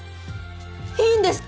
いいんですか！？